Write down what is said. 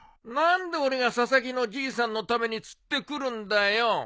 何で俺が佐々木のじいさんのために釣ってくるんだよ。